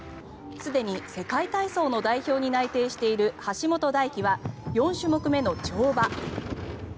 すでに世界体操の代表に内定してる橋本大輝は４種目目の跳馬。